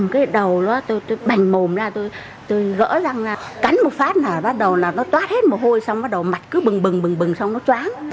tôi bành mồm ra tôi gỡ răng ra cắn một phát là bắt đầu nó toát hết mồ hôi mặt cứ bừng bừng bừng bừng xong nó choáng